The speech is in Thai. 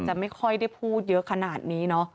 ไม่ค่อยได้พูดเยอะขนาดนี้เนอะ